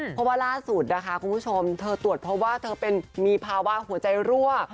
เพราะว่าล่าสุดนะคะคุณผู้ชมเธอตรวจเพราะว่าเธอมีภาวะหัวใจรั่ว